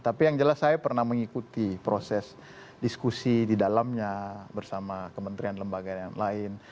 tapi yang jelas saya pernah mengikuti proses diskusi di dalamnya bersama kementerian lembaga yang lain